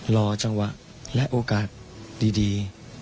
รอจังหวะและโอกาสดี